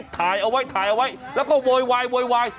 ถ่ายเอาไว้ถ่ายเอาไว้แล้วก็โวยวายโวยวาย